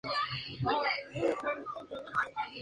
Tal vez porque había alumnos chilenos.